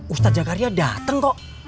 ustadz jagaria dateng kok